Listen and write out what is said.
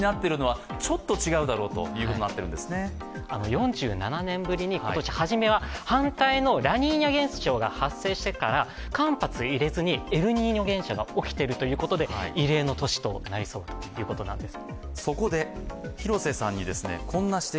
４７年ぶりに初めは反対のラニーニャ現象が発生してから間髪入れずにエルニーニョ現象が起きているということで異例の年ということになりそうです。